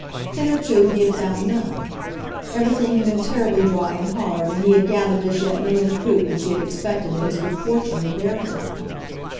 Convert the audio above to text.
Hitherto he had found none. Everything had been terribly dry and hard, and he had gathered as yet none of the fruit which he had expected that his good fortune would bear for him.